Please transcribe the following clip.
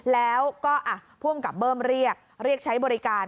แล้วก็ผู้กำกับเบิ้มเรียกเรียกใช้บริการ